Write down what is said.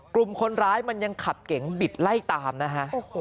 กลุ่มคนร้ายมันยังขับเก๋งบิดไล่ตามนะฮะ